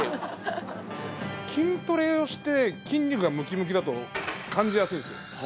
筋トレをして筋肉がムキムキだと感じやすいんですよ。